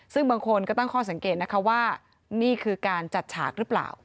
ซึ่งบางคนก็ตั้งข้อสังเกตนะคะว่านี่คือการจัดฉากหรือเปล่า